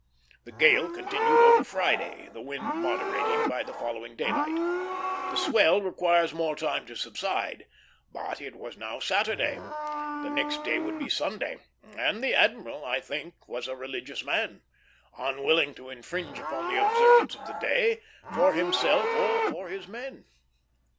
The gale continued over Friday, the wind moderating by the following daylight. The swell requires more time to subside; but it was now Saturday, the next day would be Sunday, and the admiral, I think, was a religious man, unwilling to infringe upon the observance of the day, for himself or for the men.